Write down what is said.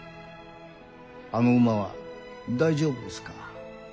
あの馬は大丈夫ですか？